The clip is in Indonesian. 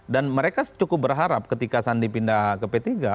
dan mereka cukup berharap ketika sandi pindah ke p tiga